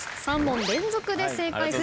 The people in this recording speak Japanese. ３問連続で正解。